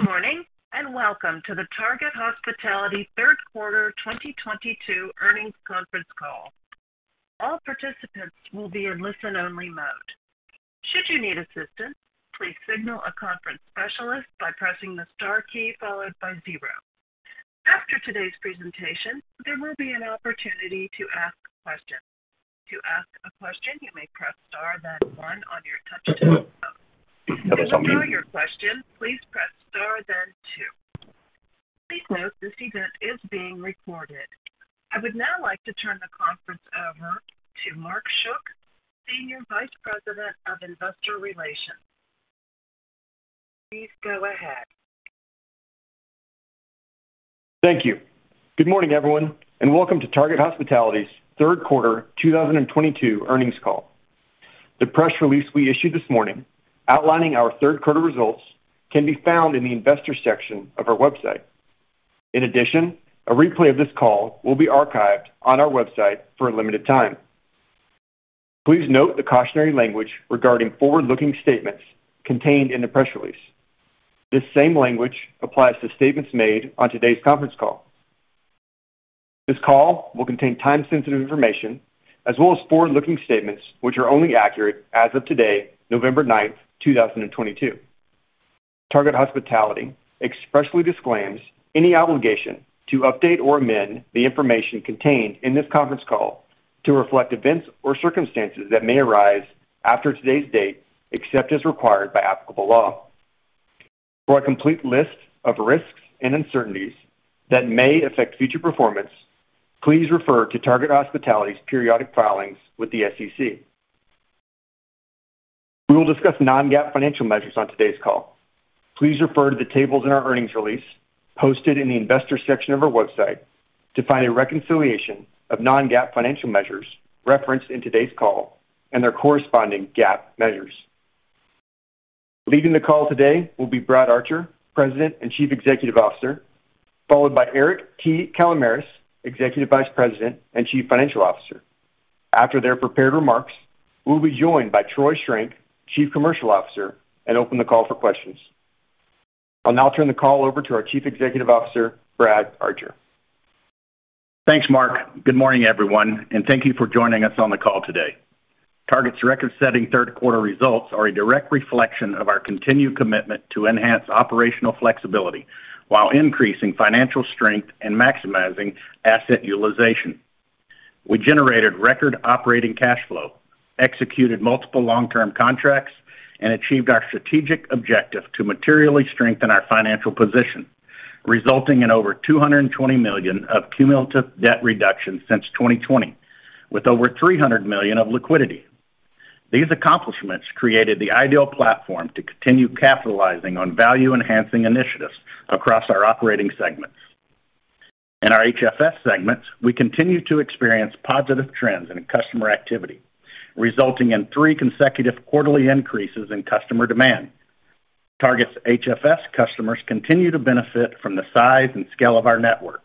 Good morning, and welcome to the Target Hospitality third quarter 2022 earnings conference call. All participants will be in listen-only mode. Should you need assistance, please signal a conference specialist by pressing the star key followed by zero. After today's presentation, there will be an opportunity to ask questions. To ask a question, you may press star then one on your touch-tone phone. To withdraw your question, please press star then two. Please note this event is being recorded. I would now like to turn the conference over to Mark Schuck, Senior Vice President of Investor Relations. Please go ahead. Thank you. Good morning, everyone, and welcome to Target Hospitality's third quarter 2022 earnings call. The press release we issued this morning outlining our third quarter results can be found in the investor section of our website. In addition, a replay of this call will be archived on our website for a limited time. Please note the cautionary language regarding forward-looking statements contained in the press release. This same language applies to statements made on today's conference call. This call will contain time-sensitive information as well as forward-looking statements, which are only accurate as of today, November 9, 2022. Target Hospitality expressly disclaims any obligation to update or amend the information contained in this conference call to reflect events or circumstances that may arise after today's date, except as required by applicable law. For a complete list of risks and uncertainties that may affect future performance, please refer to Target Hospitality's periodic filings with the SEC. We will discuss non-GAAP financial measures on today's call. Please refer to the tables in our earnings release posted in the investor section of our website to find a reconciliation of non-GAAP financial measures referenced in today's call and their corresponding GAAP measures. Leading the call today will be Brad Archer, President and Chief Executive Officer, followed by Eric T. Kalamaras, Executive Vice President and Chief Financial Officer. After their prepared remarks, we'll be joined by Troy Schrenk, Chief Commercial Officer, and open the call for questions. I'll now turn the call over to our Chief Executive Officer, Brad Archer. Thanks, Mark. Good morning, everyone, and thank you for joining us on the call today. Target's record-setting third quarter results are a direct reflection of our continued commitment to enhance operational flexibility while increasing financial strength and maximizing asset utilization. We generated record operating cash flow, executed multiple long-term contracts, and achieved our strategic objective to materially strengthen our financial position, resulting in over $220 million of cumulative debt reduction since 2020, with over $300 million of liquidity. These accomplishments created the ideal platform to continue capitalizing on value-enhancing initiatives across our operating segments. In our HFS segments, we continue to experience positive trends in customer activity, resulting in three consecutive quarterly increases in customer demand. Target's HFS customers continue to benefit from the size and scale of our network,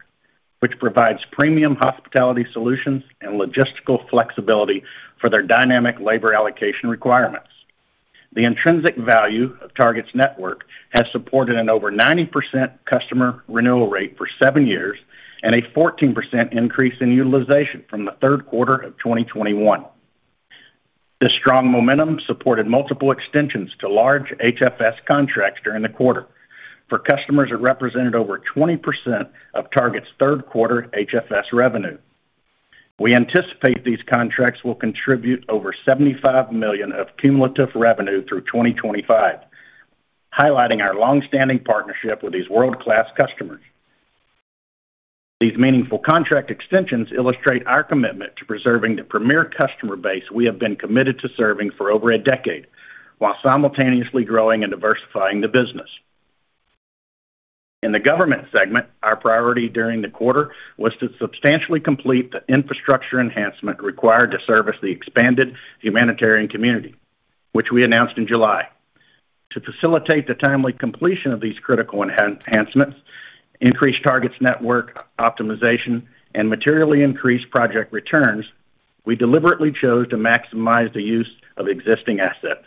which provides premium hospitality solutions and logistical flexibility for their dynamic labor allocation requirements. The intrinsic value of Target's network has supported an over 90% customer renewal rate for seven years and a 14% increase in utilization from the third quarter of 2021. This strong momentum supported multiple extensions to large HFS contracts during the quarter for customers that represented over 20% of Target's third quarter HFS revenue. We anticipate these contracts will contribute over $75 million of cumulative revenue through 2025, highlighting our long-standing partnership with these world-class customers. These meaningful contract extensions illustrate our commitment to preserving the premier customer base we have been committed to serving for over a decade while simultaneously growing and diversifying the business. In the government segment, our priority during the quarter was to substantially complete the infrastructure enhancement required to service the expanded humanitarian community, which we announced in July. To facilitate the timely completion of these critical enhancements, increase Target's network optimization, and materially increase project returns, we deliberately chose to maximize the use of existing assets.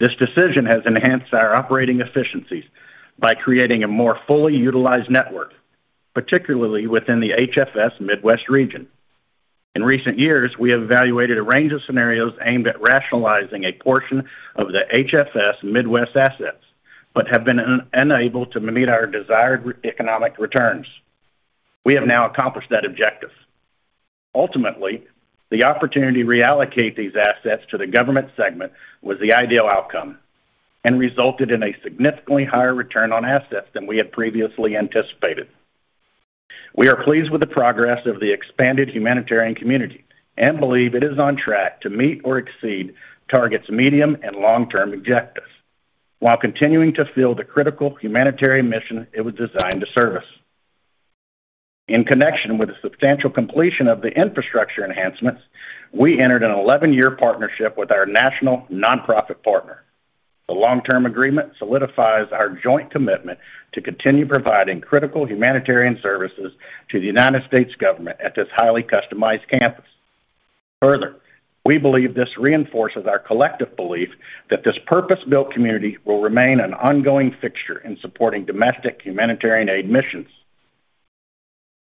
This decision has enhanced our operating efficiencies by creating a more fully utilized network, particularly within the HFS-Midwest region. In recent years, we have evaluated a range of scenarios aimed at rationalizing a portion of the HFS-Midwest assets but have been unable to meet our desired economic returns. We have now accomplished that objective. Ultimately, the opportunity to reallocate these assets to the government segment was the ideal outcome and resulted in a significantly higher return on assets than we had previously anticipated. We are pleased with the progress of the expanded humanitarian community and believe it is on track to meet or exceed Target's medium and long-term objectives while continuing to fill the critical humanitarian mission it was designed to service. In connection with the substantial completion of the infrastructure enhancements, we entered an 11-year partnership with our national nonprofit partner. The long-term agreement solidifies our joint commitment to continue providing critical humanitarian services to the United States government at this highly customized campus. Further, we believe this reinforces our collective belief that this purpose-built community will remain an ongoing fixture in supporting domestic humanitarian aid missions.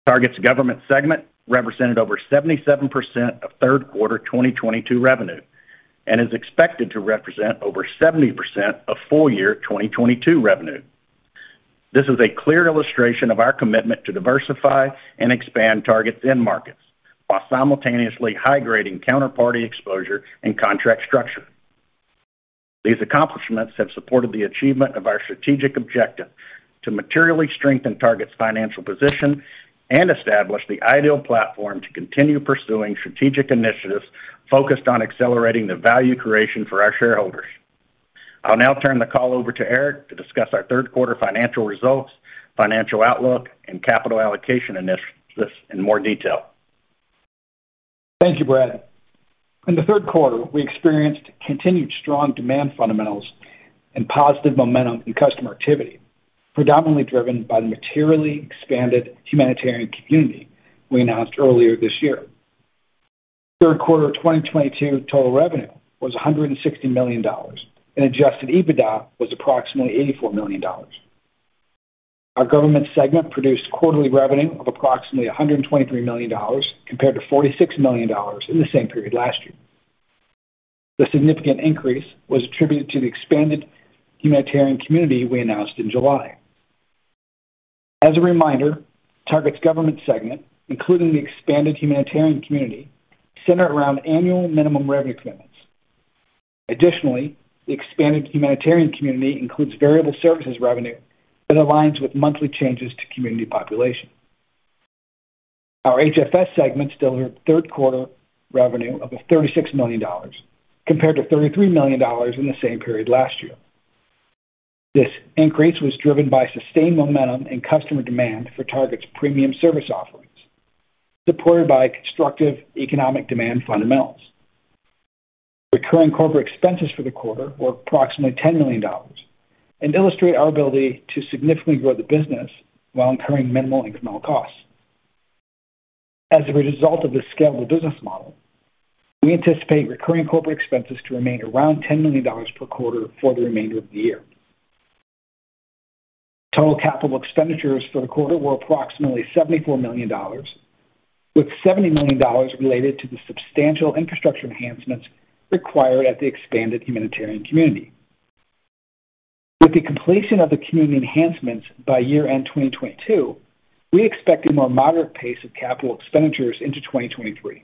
Target's government segment represented over 77% of third quarter 2022 revenue and is expected to represent over 70% of full year 2022 revenue. This is a clear illustration of our commitment to diversify and expand Target's end markets while simultaneously high-grading counterparty exposure and contract structure. These accomplishments have supported the achievement of our strategic objective to materially strengthen Target's financial position and establish the ideal platform to continue pursuing strategic initiatives focused on accelerating the value creation for our shareholders. I'll now turn the call over to Eric to discuss our third quarter financial results, financial outlook and capital allocation initiatives in more detail. Thank you, Brad. In the third quarter, we experienced continued strong demand fundamentals and positive momentum in customer activity, predominantly driven by the materially expanded humanitarian community we announced earlier this year. Third quarter 2022 total revenue was $160 million, and adjusted EBITDA was approximately $84 million. Our government segment produced quarterly revenue of approximately $123 million compared to $46 million in the same period last year. The significant increase was attributed to the expanded humanitarian community we announced in July. As a reminder, Target's government segment, including the expanded humanitarian community, center around annual minimum revenue commitments. Additionally, the expanded humanitarian community includes variable services revenue that aligns with monthly changes to community population. Our HFS segment delivered third quarter revenue of $36 million compared to $33 million in the same period last year. This increase was driven by sustained momentum and customer demand for Target's premium service offerings, supported by constructive economic demand fundamentals. Recurring corporate expenses for the quarter were approximately $10 million and illustrate our ability to significantly grow the business while incurring minimal incremental costs. As a result of the scale of the business model, we anticipate recurring corporate expenses to remain around $10 million per quarter for the remainder of the year. Total capital expenditures for the quarter were approximately $74 million, with $70 million related to the substantial infrastructure enhancements required at the expanded humanitarian community. With the completion of the community enhancements by year-end 2022, we expect a more moderate pace of capital expenditures into 2023.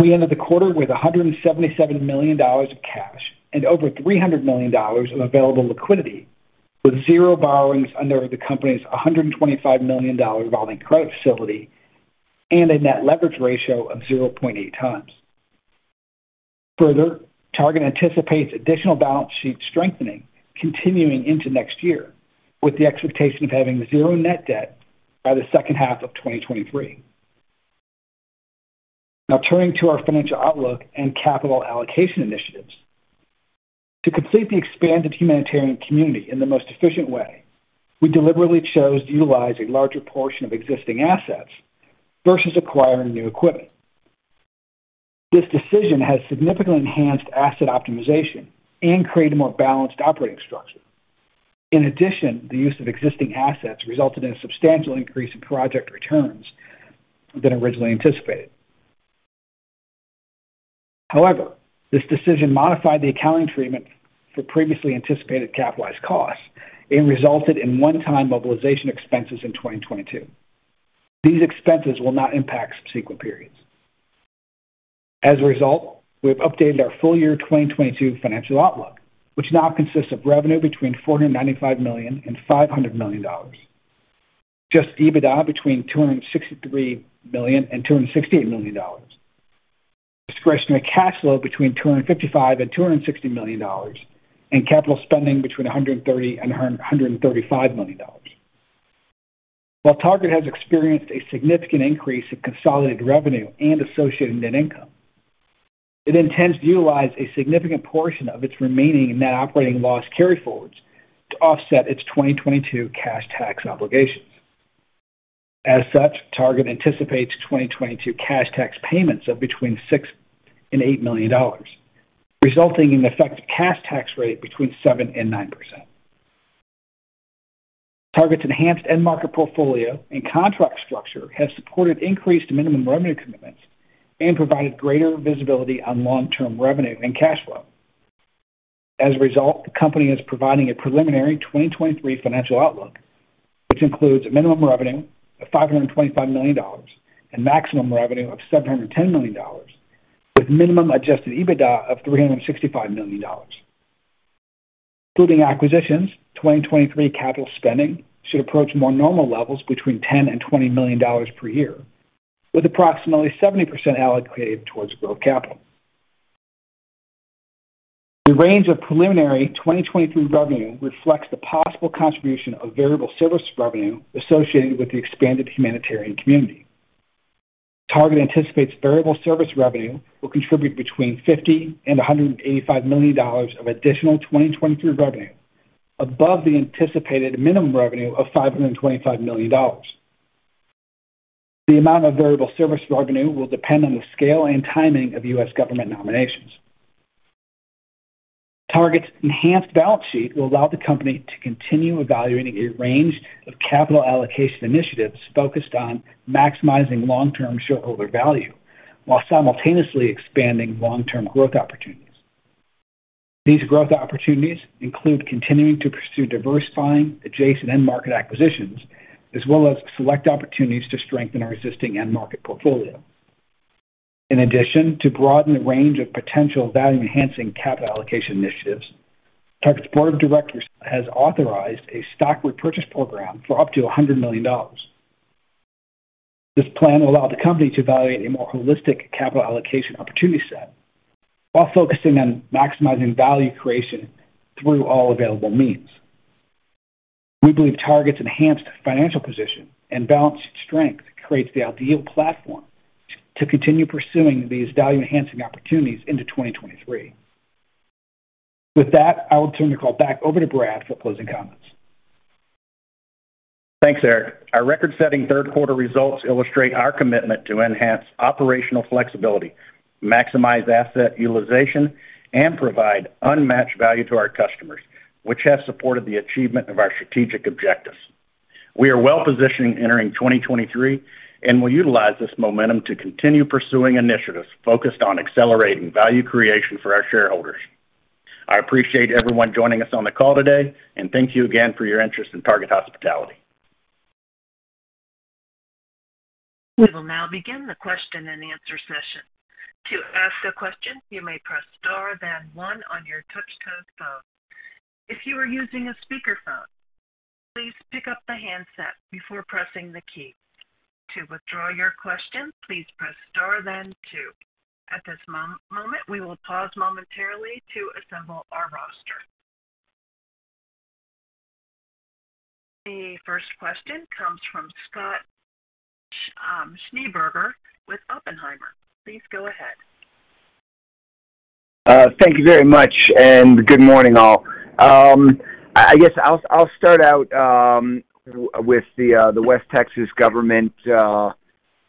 We ended the quarter with $177 million of cash and over $300 million of available liquidity, with zero borrowings under the company's $125 million revolving credit facility and a net leverage ratio of 0.8x. Further, Target anticipates additional balance sheet strengthening continuing into next year with the expectation of having zero net debt by the second half of 2023. Now turning to our financial outlook and capital allocation initiatives. To complete the expanded humanitarian community in the most efficient way, we deliberately chose to utilize a larger portion of existing assets versus acquiring new equipment. This decision has significantly enhanced asset optimization and created a more balanced operating structure. In addition, the use of existing assets resulted in a substantial increase in project returns than originally anticipated. However, this decision modified the accounting treatment for previously anticipated capitalized costs and resulted in one-time mobilization expenses in 2022. These expenses will not impact subsequent periods. As a result, we have updated our full year 2022 financial outlook, which now consists of revenue between $495 million and $500 million. Adjusted EBITDA between $263 million and $268 million. Discretionary cash flow between $255 million and $260 million. Capital spending between $130 million and $135 million. While Target has experienced a significant increase in consolidated revenue and associated net income, it intends to utilize a significant portion of its remaining net operating loss carryforwards to offset its 2022 cash tax obligations. As such, Target anticipates 2022 cash tax payments of between $6 million and $8 million, resulting in effective cash tax rate between 7% and 9%. Target's enhanced end market portfolio and contract structure has supported increased minimum revenue commitments and provided greater visibility on long-term revenue and cash flow. As a result, the company is providing a preliminary 2023 financial outlook, which includes a minimum revenue of $525 million and maximum revenue of $710 million, with minimum adjusted EBITDA of $365 million. Including acquisitions, 2023 capital spending should approach more normal levels between $10 million and $20 million per year, with approximately 70% allocated towards growth capital. The range of preliminary 2023 revenue reflects the possible contribution of variable service revenue associated with the expanded humanitarian community. Target Hospitality anticipates variable service revenue will contribute between $50 million and $185 million of additional 2023 revenue above the anticipated minimum revenue of $525 million. The amount of variable service revenue will depend on the scale and timing of U.S. government mobilizations. Target Hospitality's enhanced balance sheet will allow the company to continue evaluating a range of capital allocation initiatives focused on maximizing long-term shareholder value while simultaneously expanding long-term growth opportunities. These growth opportunities include continuing to pursue diversifying adjacent end market acquisitions, as well as select opportunities to strengthen our existing end market portfolio. In addition to broaden the range of potential value enhancing capital allocation initiatives, Target Hospitality's board of directors has authorized a stock repurchase program for up to $100 million. This plan will allow the company to evaluate a more holistic capital allocation opportunity set while focusing on maximizing value creation through all available means. We believe Target's enhanced financial position and balanced strength creates the ideal platform to continue pursuing these value enhancing opportunities into 2023. With that, I will turn the call back over to Brad for closing comments. Thanks, Eric. Our record-setting third quarter results illustrate our commitment to enhance operational flexibility, maximize asset utilization, and provide unmatched value to our customers, which has supported the achievement of our strategic objectives. We are well positioned entering 2023, and we'll utilize this momentum to continue pursuing initiatives focused on accelerating value creation for our shareholders. I appreciate everyone joining us on the call today, and thank you again for your interest in Target Hospitality. We will now begin the question and answer session. To ask a question, you may press star then one on your touchtone phone. If you are using a speakerphone, please pick up the handset before pressing the key. To withdraw your question, please press star then two. At this moment, we will pause momentarily to assemble our roster. The first question comes from Scott Schneeberger with Oppenheimer. Please go ahead. Thank you very much, and good morning, all. I guess I'll start out with the West Texas government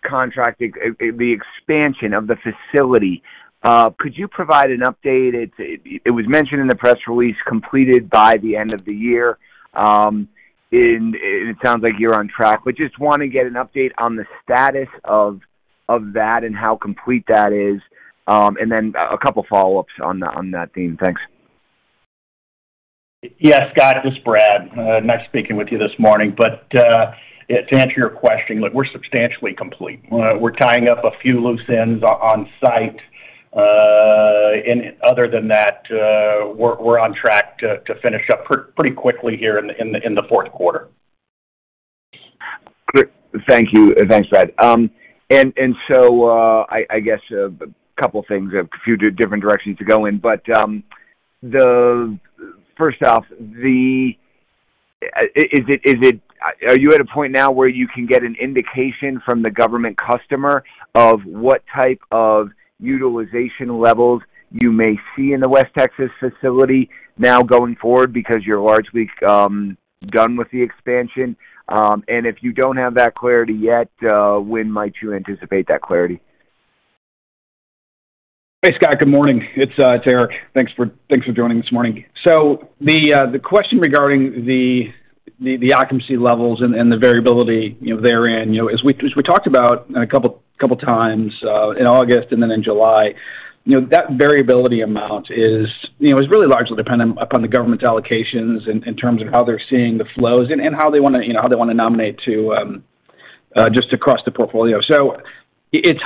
contract extension of the facility. Could you provide an update? It was mentioned in the press release completed by the end of the year, and it sounds like you're on track, but just wanna get an update on the status of that and how complete that is. Then a couple follow-ups on that theme. Thanks. Yeah. Scott, this is Brad. Nice speaking with you this morning. Yeah, to answer your question, look, we're substantially complete. We're tying up a few loose ends on site. Other than that, we're on track to finish up pretty quickly here in the fourth quarter. Great. Thank you. Thanks, Brad. I guess a couple things, a few different directions to go in. First off, are you at a point now where you can get an indication from the government customer of what type of utilization levels you may see in the West Texas facility now going forward because you're largely done with the expansion? If you don't have that clarity yet, when might you anticipate that clarity? Hey, Scott. Good morning. It's Eric. Thanks for joining this morning. The question regarding the occupancy levels and the variability, you know, therein, you know, as we talked about a couple times in August and then in July, you know, that variability amount is really largely dependent upon the government's allocations in terms of how they're seeing the flows and how they wanna nominate to just across the portfolio. It's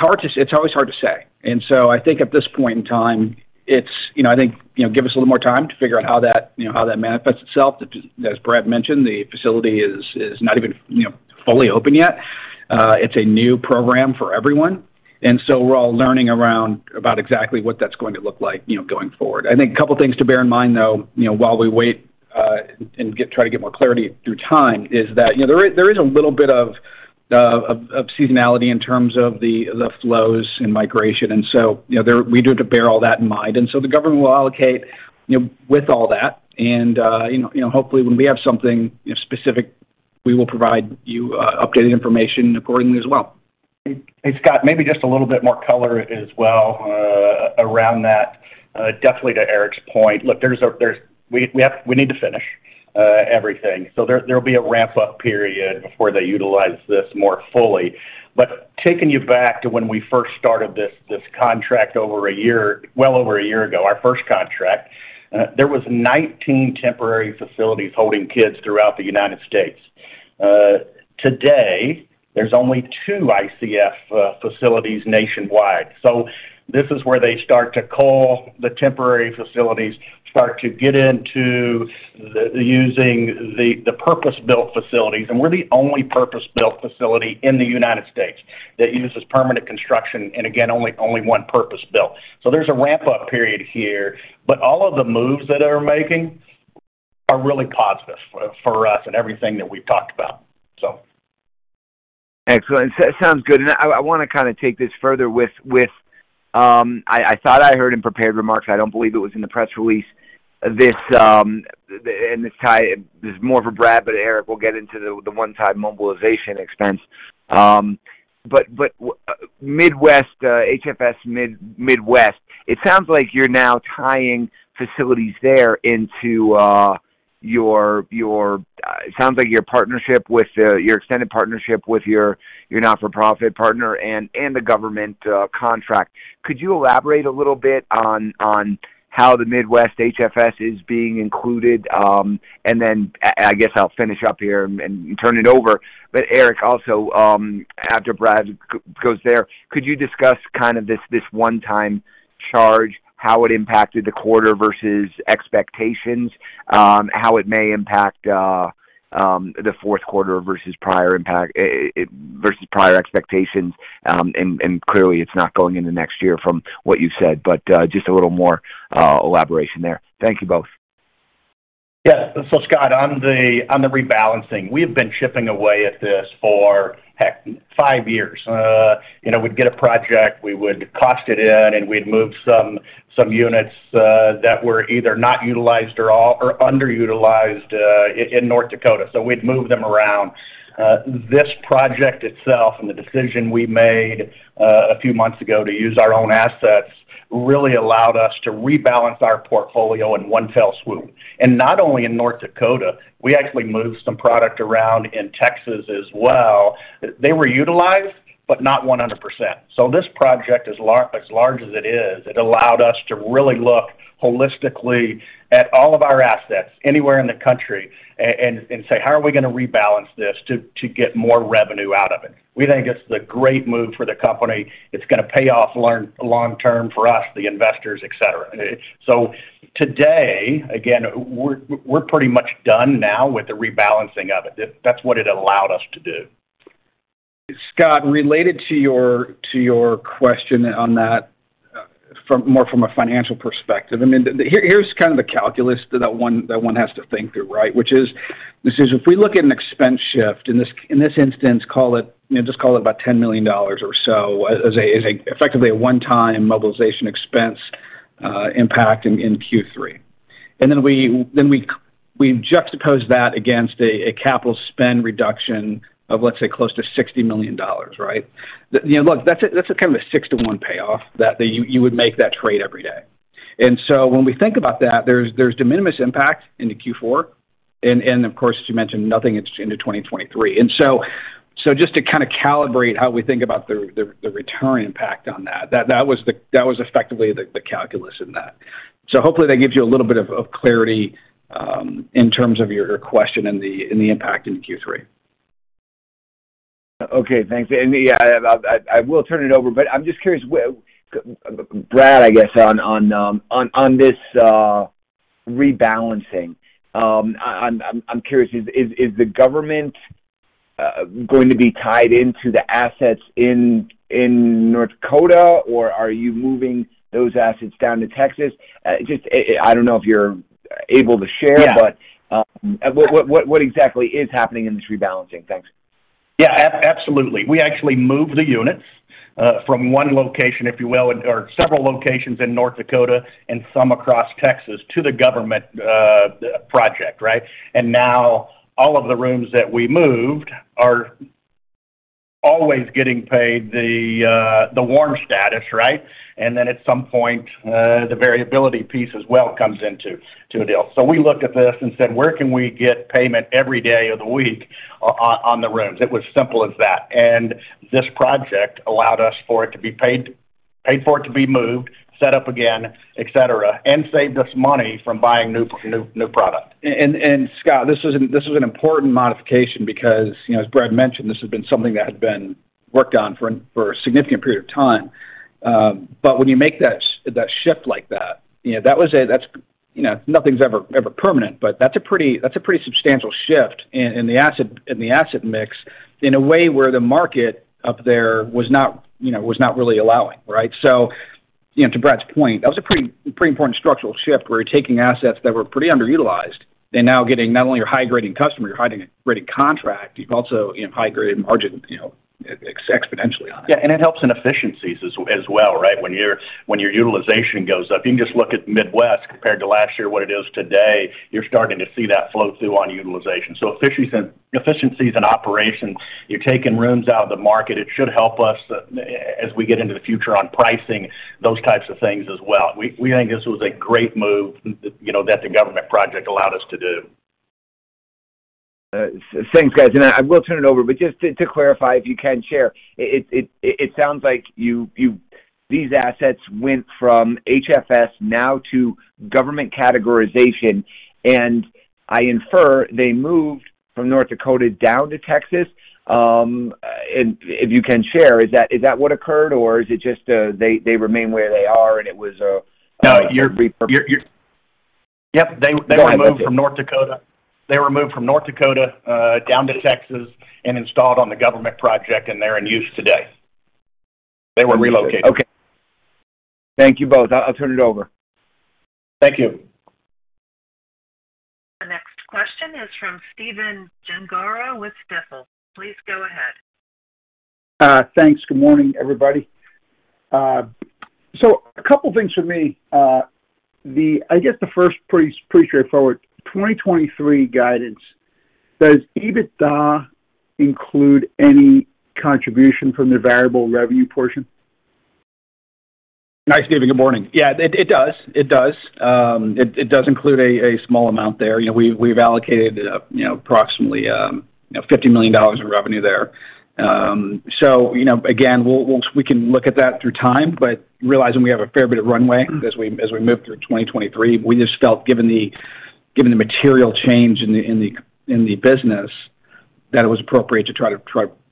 always hard to say. I think at this point in time, you know, give us a little more time to figure out how that manifests itself. As Brad mentioned, the facility is not even, you know, fully open yet. It's a new program for everyone, and so we're all learning all about exactly what that's going to look like, you know, going forward. I think a couple things to bear in mind, though, you know, while we wait and try to get more clarity over time is that, you know, there is a little bit of seasonality in terms of the flows in migration. We do have to bear all that in mind. The government will allocate, you know, with all that. You know, hopefully, when we have something, you know, specific, we will provide you updated information accordingly as well. Hey, Scott, maybe just a little bit more color as well, around that. Definitely to Eric's point. Look, we need to finish everything. There'll be a ramp-up period before they utilize this more fully. Taking you back to when we first started this contract over a year, well over a year ago, our first contract, there was 19 temporary facilities holding kids throughout the United States. Today, there's only two ICF facilities nationwide. This is where they start to cull the temporary facilities, start to get into using the purpose-built facilities. We're the only purpose-built facility in the United States that uses permanent construction, and again, only one purpose-built. There's a ramp-up period here, but all of the moves that they're making are really positive for us and everything that we've talked about. Excellent. Sounds good. I want to kind of take this further with. I thought I heard in prepared remarks. I don't believe it was in the press release. This is more for Brad, but Eric will get into the one-time mobilization expense. Midwest HFS-Midwest, it sounds like you're now tying facilities there into your extended partnership with your not-for-profit partner and the government contract. Could you elaborate a little bit on how the HFS-Midwest is being included? I guess I'll finish up here and turn it over. Eric, also, after Brad goes there, could you discuss kind of this one-time charge, how it impacted the quarter versus expectations, how it may impact the fourth quarter versus prior impact versus prior expectations? Clearly it's not going into next year from what you said, just a little more elaboration there. Thank you both. Yeah. Scott, on the rebalancing, we have been chipping away at this for, heck, five years. You know, we'd get a project, we would cost it in, and we'd move some units that were either not utilized at all or underutilized in North Dakota. We'd move them around. This project itself and the decision we made a few months ago to use our own assets really allowed us to rebalance our portfolio in one fell swoop. Not only in North Dakota, we actually moved some product around in Texas as well. They were utilized, but not 100%. This project, as large as it is, it allowed us to really look holistically at all of our assets anywhere in the country and say, "How are we gonna rebalance this to get more revenue out of it?" We think it's a great move for the company. It's gonna pay off long-term for us, the investors, et cetera. Today, again, we're pretty much done now with the rebalancing of it. That's what it allowed us to do. Scott, related to your question on that from more of a financial perspective, I mean, here's kind of the calculus that one has to think through, right? Which is, this is if we look at an expense shift, in this instance, you know, just call it about $10 million or so as effectively a one-time mobilization expense impact in Q3. Then we juxtapose that against a capital spend reduction of, let's say, close to $60 million, right? You know, look, that's a kind of a six-to-one payoff that you would make that trade every day. So when we think about that, there's de minimis impact into Q4 and, of course, as you mentioned, nothing into 2023. Just to kind of calibrate how we think about the return impact on that was effectively the calculus in that. Hopefully that gives you a little bit of clarity in terms of your question and the impact in Q3. Okay. Thanks. Yeah, I will turn it over, but I'm just curious, Brad, I guess on this rebalancing, is the government going to be tied into the assets in North Dakota, or are you moving those assets down to Texas? Just, I don't know if you're able to share. Yeah. What exactly is happening in this rebalancing? Thanks. Yeah, absolutely. We actually moved the units from one location, if you will, or several locations in North Dakota and some across Texas to the government project, right? Now all of the rooms that we moved are always getting paid the warm status, right? Then at some point the variability piece as well comes into to a deal. We looked at this and said, "Where can we get payment every day of the week on the rooms?" It was simple as that. This project allowed us for it to be paid for it to be moved, set up again, et cetera, and saved us money from buying new product. Scott, this was an important modification because, you know, as Brad mentioned, this has been something that had been worked on for a significant period of time. When you make that shift like that, you know, that's, you know, nothing's ever permanent, but that's a pretty substantial shift in the asset mix in a way where the market up there was not really allowing, right? To Brad's point, that was a pretty important structural shift. We were taking assets that were pretty underutilized and now getting not only your high grading customer, your high grading contract, you've also, you know, high graded margin, you know, exponentially on it. Yeah, it helps in efficiencies as well, right? When your utilization goes up, you can just look at Midwest compared to last year, what it is today, you're starting to see that flow through on utilization. Efficiencies in operations, you're taking rooms out of the market. It should help us as we get into the future on pricing, those types of things as well. We think this was a great move, you know, that the government project allowed us to do. Thanks, guys. I will turn it over, but just to clarify, if you can share, it sounds like these assets went from HFS now to government categorization, and I infer they moved from North Dakota down to Texas. If you can share, is that what occurred, or is it just they remain where they are and it was No. Repurposed. Yep. Go ahead. They were moved from North Dakota. They were moved from North Dakota down to Texas and installed on the government project, and they're in use today. They were relocated. Okay. Thank you both. I'll turn it over. Thank you. This question is from Stephen Gengaro with Stifel. Please go ahead. Thanks. Good morning, everybody. A couple things for me. I guess the first pretty straightforward. 2023 guidance. Does EBITDA include any contribution from the variable revenue portion? Nice, Stephen. Good morning. Yeah, it does. It does include a small amount there. You know, we've allocated, you know, approximately, you know, $50 million in revenue there. So, you know, again, we can look at that through time, but realizing we have a fair bit of runway as we move through 2023, we just felt given the material change in the business that it was appropriate to try to,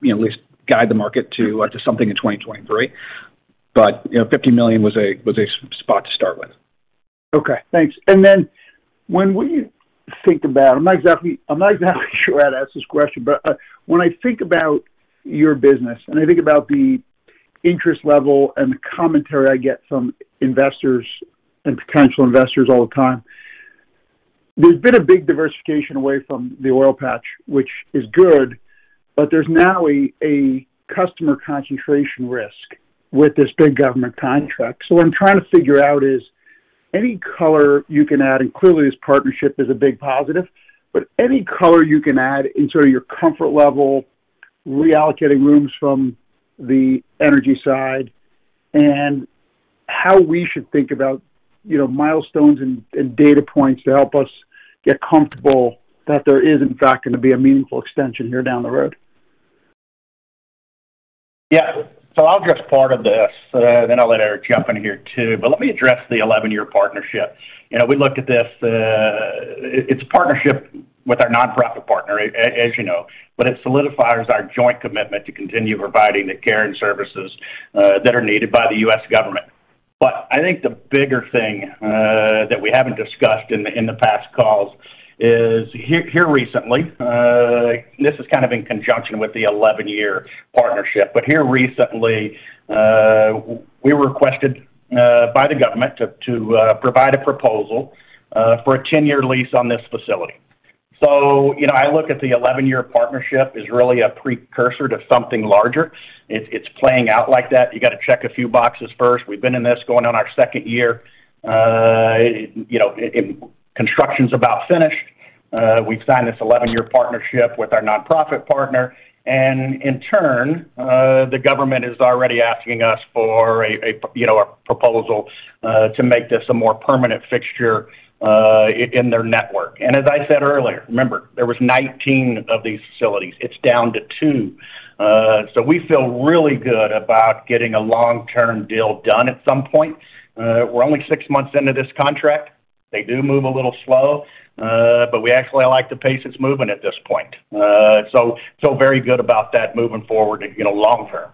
you know, at least guide the market to something in 2023. You know, $50 million was a spot to start with. Okay, thanks. When we think about, I'm not exactly sure how to ask this question, but when I think about your business and I think about the interest level and the commentary I get from investors and potential investors all the time, there's been a big diversification away from the oil patch, which is good, but there's now a customer concentration risk with this big government contract. What I'm trying to figure out is any color you can add, and clearly this partnership is a big positive, but any color you can add in sort of your comfort level, reallocating rooms from the energy side and how we should think about, you know, milestones and data points to help us get comfortable that there is in fact gonna be a meaningful extension here down the road. Yeah. I'll address part of this, then I'll let Eric jump in here too. Let me address the 11-year partnership. You know, we looked at this, it's partnership with our nonprofit partner, as you know, but it solidifies our joint commitment to continue providing the care and services that are needed by the U.S. government. I think the bigger thing that we haven't discussed in the past calls is here recently, this is kind of in conjunction with the 11-year partnership, but here recently, we were requested by the government to provide a proposal for a 10-year lease on this facility. You know, I look at the 11-year partnership as really a precursor to something larger. It's playing out like that. You got to check a few boxes first. We've been in this going on our second year. You know, construction's about finished. We've signed this 11-year partnership with our nonprofit partner. In turn, the government is already asking us for you know, a proposal to make this a more permanent fixture in their network. As I said earlier, remember, there was 19 of these facilities. It's down to two. We feel really good about getting a long-term deal done at some point. We're only six months into this contract. They do move a little slow, but we actually like the pace it's moving at this point. Very good about that moving forward, you know, long term.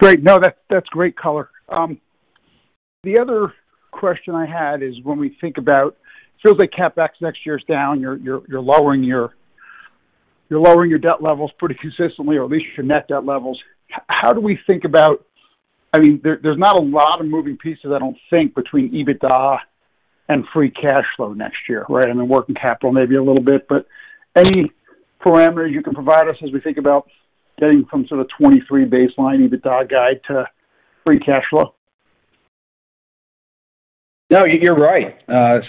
Great. That's great color. The other question I had is when we think about, it feels like CapEx next year is down. You're lowering your debt levels pretty consistently, or at least your net debt levels. How do we think about? I mean, there's not a lot of moving parts, I don't think, between EBITDA and free cash flow next year, right? I mean, working capital maybe a little bit, but any parameters you can provide us as we think about getting from sort of 23 baseline EBITDA guide to free cash flow? No, you're right,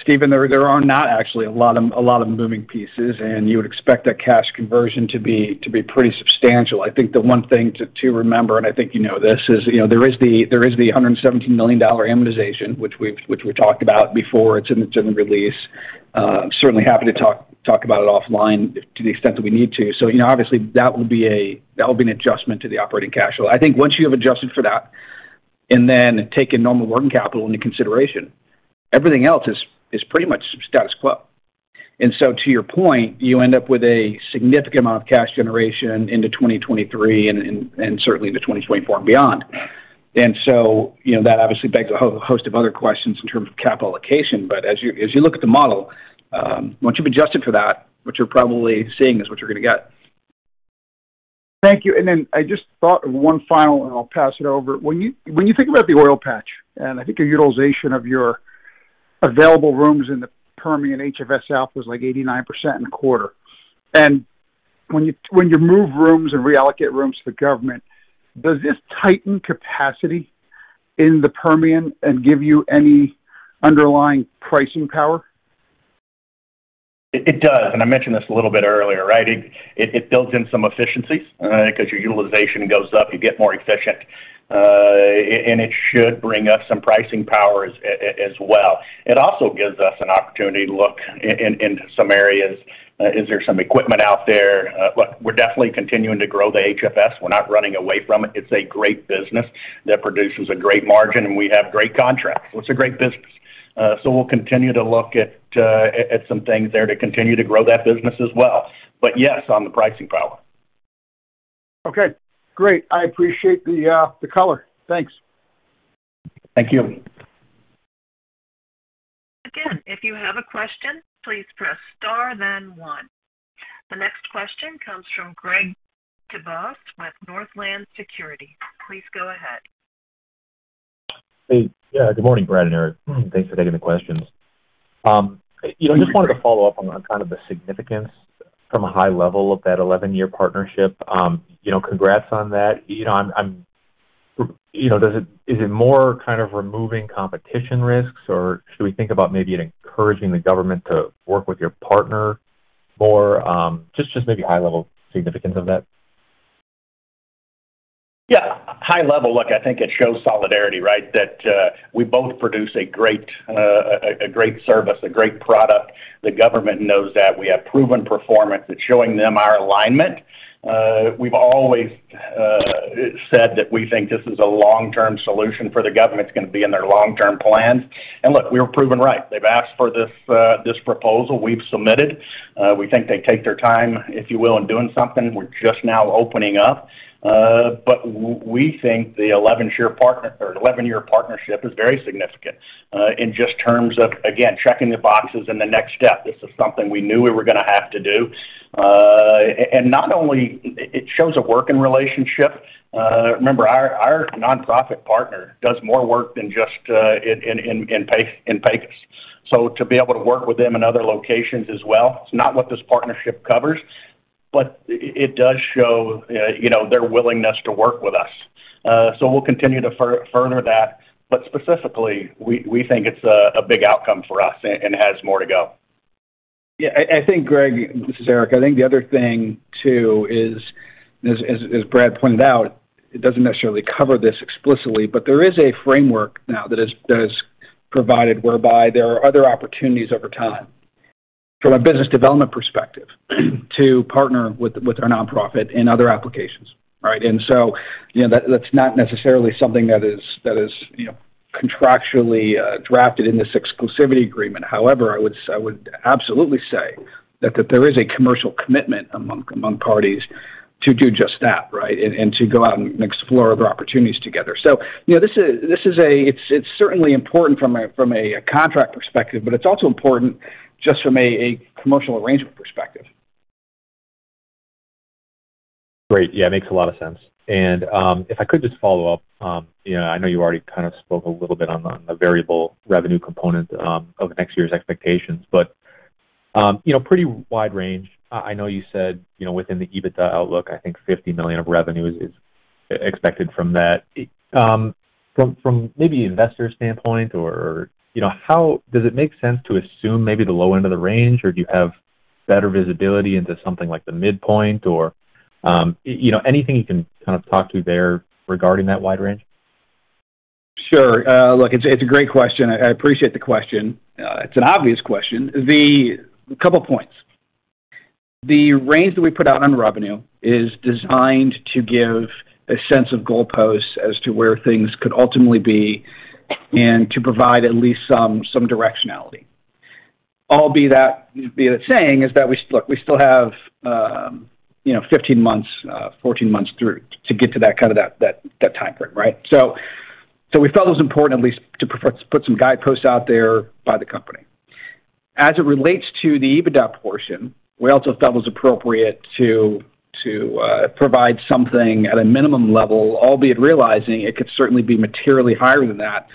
Stephen. There are not actually a lot of moving pieces, and you would expect that cash conversion to be pretty substantial. I think the one thing to remember, and I think you know this, is, you know, there is the $117 million amortization, which we've talked about before. It's in the release. Certainly happy to talk about it offline to the extent that we need to. You know, obviously that will be an adjustment to the operating cash flow. I think once you have adjusted for that and then taken normal working capital into consideration, everything else is pretty much status quo. To your point, you end up with a significant amount of cash generation into 2023 and certainly into 2024 and beyond. You know, that obviously begs a host of other questions in terms of capital allocation. As you look at the model, once you've adjusted for that, what you're probably seeing is what you're gonna get. Thank you. Then I just thought of one final, and I'll pass it over. When you think about the oil patch, I think the utilization of your available rooms in the Permian HFS-South was, like, 89% in quarter. When you move rooms and reallocate rooms for government, does this tighten capacity in the Permian and give you any underlying pricing power? It does, and I mentioned this a little bit earlier, right? It builds in some efficiencies, 'cause your utilization goes up, you get more efficient. And it should bring us some pricing power as well. It also gives us an opportunity to look in some areas. Is there some equipment out there? Look, we're definitely continuing to grow the HFS. We're not running away from it. It's a great business that produces a great margin, and we have great contracts. It's a great business. We'll continue to look at some things there to continue to grow that business as well. Yes, on the pricing power. Okay, great. I appreciate the color. Thanks. Thank you. Again, if you have a question, please press star then one. Next comes from Greg Gibas with Northland Securities. Please go ahead. Hey. Yeah, good morning, Brad and Eric. Thanks for taking the questions. You know, I just wanted to follow up on kind of the significance from a high level of that 11-year partnership. You know, congrats on that. You know, is it more kind of removing competition risks, or should we think about maybe encouraging the government to work with your partner more? Just maybe high-level significance of that. Yeah. High level, look, I think it shows solidarity, right? That we both produce a great service, a great product. The government knows that we have proven performance. It's showing them our alignment. We've always said that we think this is a long-term solution for the government. It's gonna be in their long-term plans. Look, we were proven right. They've asked for this proposal. We've submitted. We think they take their time, if you will, in doing something. We're just now opening up. We think the 11-year partnership is very significant, in just terms of, again, checking the boxes and the next step. This is something we knew we were gonna have to do. Not only it shows a working relationship. Remember our nonprofit partner does more work than just in Pecos. To be able to work with them in other locations as well, it's not what this partnership covers, but it does show, you know, their willingness to work with us. We'll continue to further that. Specifically, we think it's a big outcome for us and has more to go. Yeah. I think, Greg, this is Eric. I think the other thing, too, is as Brad pointed out, it doesn't necessarily cover this explicitly, but there is a framework now that is provided whereby there are other opportunities over time from a business development perspective to partner with our nonprofit in other applications, right? You know, that's not necessarily something that is, you know, contractually drafted in this exclusivity agreement. However, I would absolutely say that there is a commercial commitment among parties to do just that, right? To go out and explore other opportunities together. You know, this is. It's certainly important from a contract perspective, but it's also important just from a commercial arrangement perspective. Great. Yeah, it makes a lot of sense. If I could just follow up, you know, I know you already kind of spoke a little bit on the variable revenue component of next year's expectations, but you know, pretty wide range. I know you said, you know, within the EBITDA outlook, I think $50 million of revenue is expected from that. From maybe investor standpoint or, you know, how does it make sense to assume maybe the low end of the range, or do you have better visibility into something like the midpoint or? You know, anything you can kind of talk to there regarding that wide range? Sure. Look, it's a great question. I appreciate the question. It's an obvious question. Couple points. The range that we put out on revenue is designed to give a sense of goalposts as to where things could ultimately be and to provide at least some directionality. Be that as it may, what we're saying is, look, we still have, you know, 15 months, 14 months to get to that kind of timeframe, right? We felt it was important at least to put some guideposts out there by the company. As it relates to the EBITDA portion, we also felt it was appropriate to provide something at a minimum level, albeit realizing it could certainly be materially higher than that.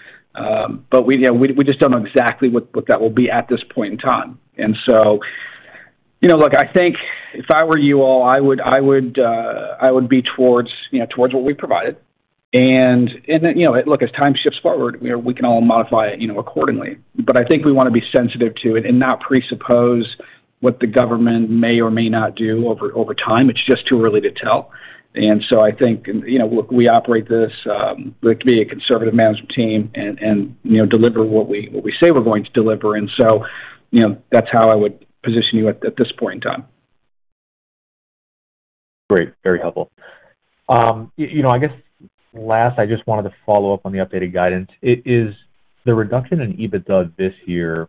We just don't know exactly what that will be at this point in time. You know, look, I think if I were you all, I would be towards what we provided. You know, look, as time shifts forward, you know, we can all modify it, you know, accordingly. I think we wanna be sensitive to it and not presuppose what the government may or may not do over time. It's just too early to tell. I think, you know, look, we operate this, look, to be a conservative management team and, you know, deliver what we say we're going to deliver. You know, that's how I would position you at this point in time. Great. Very helpful. You know, I guess last, I just wanted to follow up on the updated guidance. Is the reduction in EBITDA this year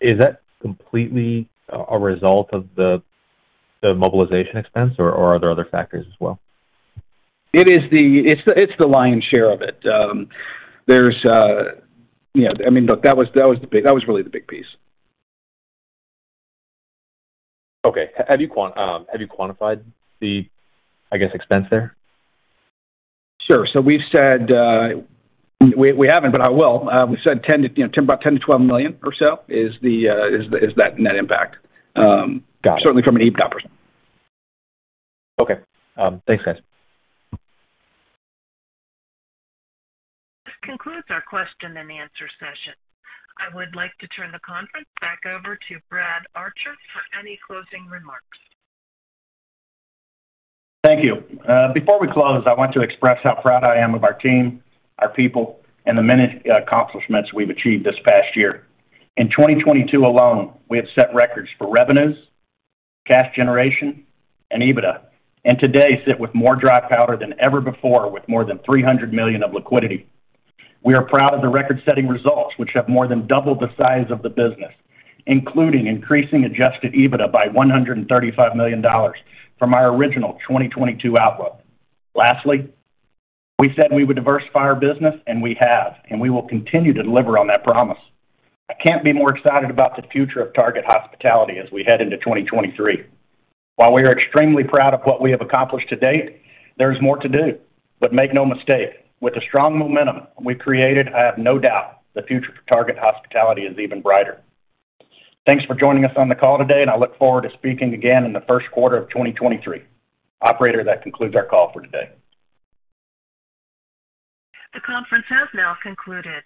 is that completely a result of the mobilization expense, or are there other factors as well? It's the lion's share of it. You know, I mean, look, that was really the big piece. Okay. Have you quantified the, I guess, expense there? Sure. We've said. We haven't, but I will. We said about $10million-$12 million or so is the net impact. Got it. Certainly from an EBITDA perspective. Okay. Thanks, guys. This concludes our question and answer session. I would like to turn the conference back over to Brad Archer for any closing remarks. Thank you. Before we close, I want to express how proud I am of our team, our people, and the many accomplishments we've achieved this past year. In 2022 alone, we have set records for revenues, cash generation, and EBITDA, and today sit with more dry powder than ever before with more than $300 million of liquidity. We are proud of the record-setting results, which have more than doubled the size of the business, including increasing adjusted EBITDA by $135 million from our original 2022 outlook. Lastly, we said we would diversify our business, and we have, and we will continue to deliver on that promise. I can't be more excited about the future of Target Hospitality as we head into 2023. While we are extremely proud of what we have accomplished to date, there is more to do. Make no mistake, with the strong momentum we've created, I have no doubt the future for Target Hospitality is even brighter. Thanks for joining us on the call today, and I look forward to speaking again in the first quarter of 2023. Operator, that concludes our call for today. The conference has now concluded.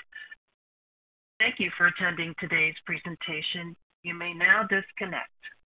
Thank you for attending today's presentation. You may now disconnect.